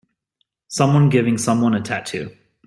Someone giving someone a tattoo